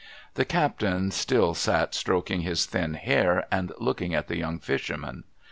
Thj captain still sat stroking his thin hair, and looking at the young fisherman.